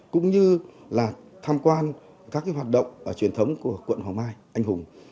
cũng như là tham quan các hoạt động truyền thống của quận hoàng mai anh hùng